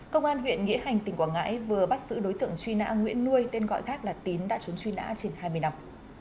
công an huyện nghĩa hành tỉnh quảng ngãi vừa bắt giữ đối tượng truy nã nguyễn nuôi tên gọi khác là tín đã trốn truy nã trên hai mươi năm